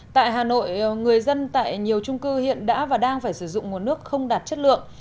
tại hà nội người dân tại nhiều trung cư hiện đã và đang phải sử dụng nguồn nước không đạt chất lượng